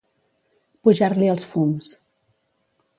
Pujar-li els fums.